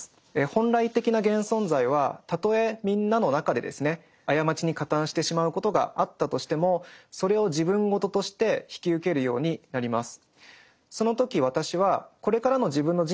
本来的な現存在はたとえみんなの中でですね過ちに加担してしまうことがあったとしてもそれを自分事として引き受けるようになります。